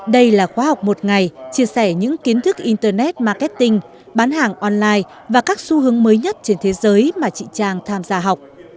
đây là khóa học một ngày chia sẻ những kiến thức internet marketing bán hàng online và các xu hướng mới nhất trên thế giới mà chị trang tham gia học